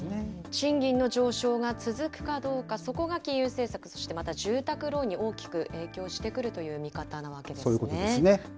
賃金の上昇が続くかどうか、そこが金融政策、そして住宅ローンに大きく影響してくるという見そういうことですね。